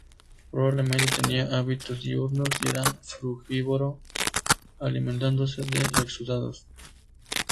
Probablemente tenía hábitos diurnos y era frugívoro, alimentándose de exudados.